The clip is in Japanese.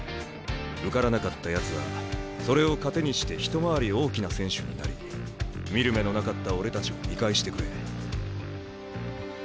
受からなかったやつはそれを糧にして一回り大きな選手になり見る目のなかった俺たちを見返してくれ。